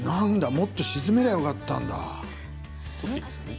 もっと沈めればよかったんだ。